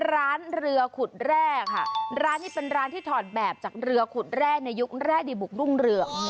ร้านเรือขุดแร่ค่ะร้านนี้เป็นร้านที่ถอดแบบจากเรือขุดแร่ในยุคแร่ดีบุกรุ่งเรือง